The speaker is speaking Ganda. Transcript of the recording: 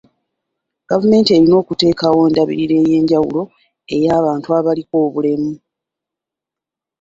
Gavumenti erina okuteekawo embalirira ey'enjawulo ey'abantu abaliko obulemu.